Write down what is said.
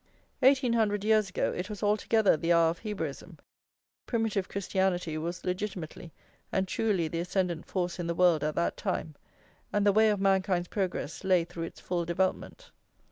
Eighteen hundred years ago it was altogether the hour of Hebraism; primitive Christianity was legitimately and truly the ascendent force in the world at that time, and the way of mankind's progress lay through its full development.